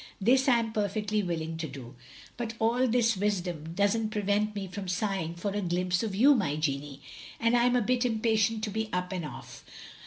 This I am perfectly willing to do, but all his wisdom does nH prevent me from sighing for a glimpse of you, my Jeannie, and I 'm a bit impatient to be up and off.